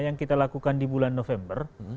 yang kita lakukan di bulan november